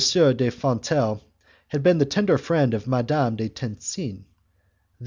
de Fontenelle had been the tender friend of Madame du Tencin, that M.